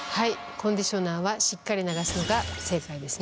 コンディショナーはしっかり流すのが正解ですね。